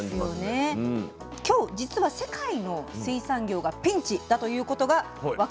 今日実は世界の水産業がピンチだということが分かる